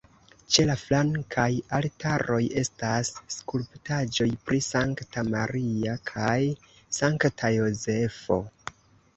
Ĉe la flankaj altaroj estas skulptaĵoj pri Sankta Maria kaj Sankta Jozefo.